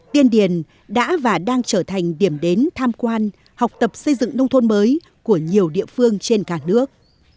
tiên điền đã và đang trở thành điểm đến tham quan học tập xây dựng nông thôn mới của nhiều địa phương trên cả nước